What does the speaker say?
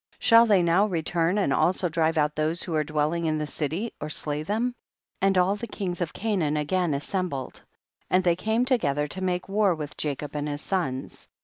shall they now return and also drive out those who are dwelling in the city or slay them ? 6. And all the kings of Canaan again assembled, and they came to gether to make war with Jacob and his sons.